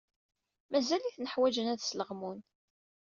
Mazal-iten ḥwajen ad sleɣmun.